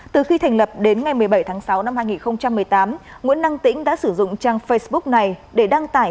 từ khi thành lập đến ngày một mươi bảy tháng sáu năm hai nghìn một mươi tám nguyễn năng tĩnh đã sử dụng trang facebook này để đăng tải